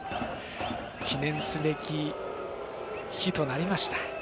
記念すべき日となりました。